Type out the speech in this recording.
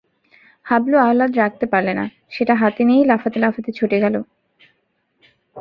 হাবলু আহ্লাদ রাখতে পারলে না– সেটা হাতে নিয়েই লাফাতে লাফাতে ছুটে চলে গেল।